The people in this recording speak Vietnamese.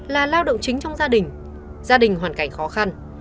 là lao động chính trong gia đình gia đình hoàn cảnh khó khăn